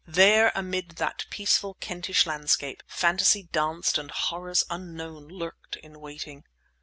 There, amid that peaceful Kentish landscape, fantasy danced and horrors unknown lurked in waiting...